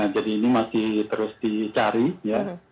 jadi ini masih terus dicari ya